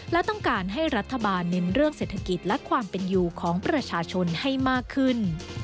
และต้องการให้รัฐบาลเน้นเรื่องเศรษฐกิจและความเป็นอยู่ของประชาชนให้มากขึ้น